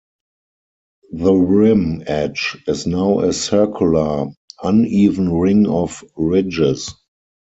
The rim edge is now a circular, uneven ring of ridges.